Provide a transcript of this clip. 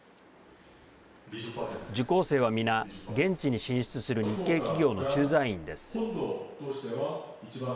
受講生は皆、現地に進出する日系企業の駐在員です。